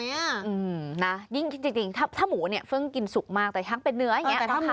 อืมนะจริงถ้าหมูเพิ่งกินสุกมากแต่ทั้งเป็นเนื้ออย่างนี้